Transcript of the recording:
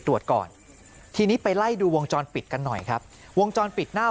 ตรวจก่อนทีนี้ไปไล่ดูวงจรปิดกันหน่อยครับวงจรปิดหน้า